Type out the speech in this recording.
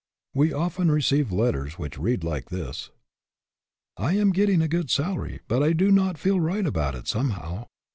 We often receive letters which read like this: " I am getting a good salary ; but I do not feel right about it, somehow.